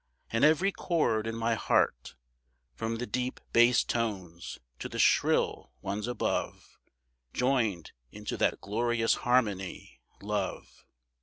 And every chord in my heart, From the deep bass tones to the shrill ones above, Joined into that glorious harmony Love.